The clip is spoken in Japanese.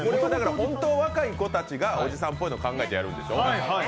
本当は若い子たちがおじさんっぽいのを考えるんでしょ？